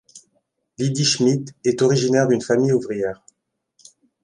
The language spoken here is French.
Lydie Schmit est originaire d’une famille ouvrière.